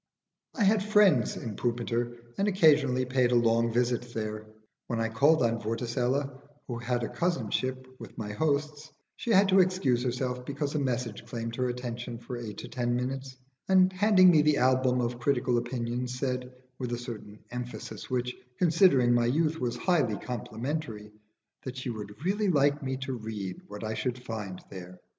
I had friends in Pumpiter and occasionally paid a long visit there. When I called on Vorticella, who had a cousinship with my hosts, she had to excuse herself because a message claimed her attention for eight or ten minutes, and handing me the album of critical opinions said, with a certain emphasis which, considering my youth, was highly complimentary, that she would really like me to read what I should find there.